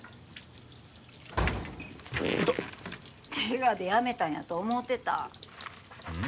痛っケガでやめたんやと思うてたうん？